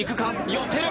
寄っている！